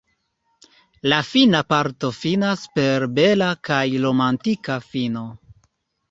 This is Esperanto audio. La fina parto finas per bela kaj romantika fino.